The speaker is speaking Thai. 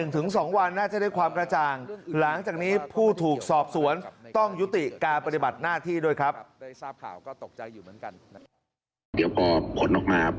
ที่ผู้ถูกสอบสวนต้องยุติการปฏิบัติหน้าที่ด้วยครับ